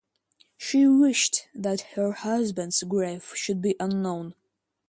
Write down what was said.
She wished that her husband's grave should be unknown.